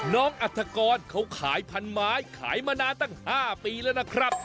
อัฐกรเขาขายพันไม้ขายมานานตั้ง๕ปีแล้วนะครับ